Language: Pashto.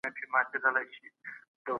موږ د خپلو سفارتونو د کارونو مخه نه نیسو.